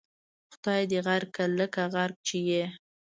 خدای دې غرق کړه لکه غرق چې یې.